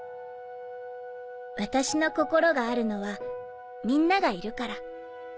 私の心があるのはみんながいるから。